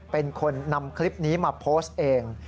เป็นคนนำคลิปนี้มาโพสต์เอง